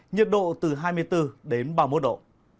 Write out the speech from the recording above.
nhiệt độ từ hai mươi bốn đến ba mươi một độ